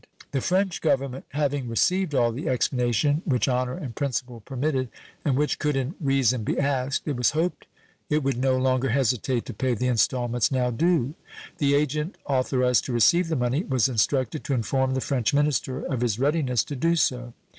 The French Government having received all the explanation which honor and principle permitted, and which could in reason be asked, it was hoped it would no longer hesitate to pay the installments now due. The agent authorized to receive the money was instructed to inform the French minister of his readiness to do so.